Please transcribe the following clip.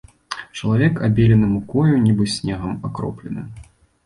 Чалавек абелены мукою, нібы снегам акроплены.